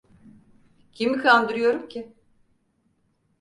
Kimi kandırıyorum ki?